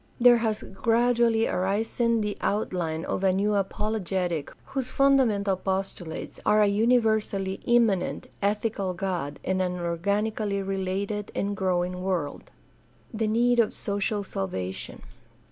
There has gradually arisen the outline of a new apologetic whose fundamental postulates are a uni versally immanent, ethical God and an organically related and growing world. The need of social salvation.